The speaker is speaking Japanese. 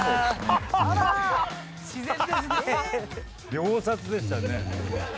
秒殺でしたね。